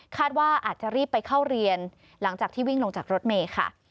ว่าอาจจะรีบไปเข้าเรียนหลังจากที่วิ่งลงจากรถเมย์ค่ะ